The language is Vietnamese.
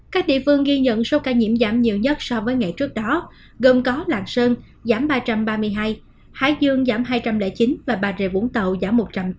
các địa phương ghi nhận số ca nhiễm giảm nhiều nhất so với ngày trước đó gồm có lạng sơn giảm ba trăm ba mươi hai hải dương giảm hai trăm linh chín và bà rịa vũng tàu giảm một trăm chín mươi